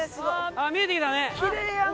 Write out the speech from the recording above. あっ見えてきたね。